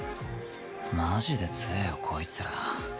マジで強えよこいつら